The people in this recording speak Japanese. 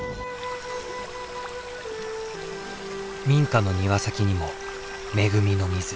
民家の庭先にも恵みの水。